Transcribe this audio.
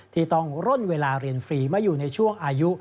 ที่ต้องร่นเวลาเรียนฟรีมาอยู่ในช่วงอายุ